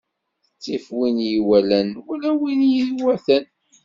Ttif win i yi-iwalan wala win i yi-iwatan.